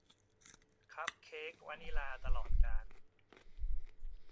คัพเค้กวานิลลาตลอดกาล